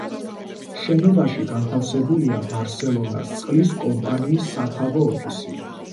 შენობაში განთავსებულია ბარსელონას წყლის კომპანიის სათავო ოფისი.